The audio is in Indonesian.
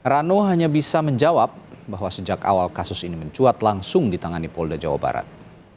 rano hanya bisa menjawab bahwa sejak awal kasus ini mencuat langsung ditangani polda jawa barat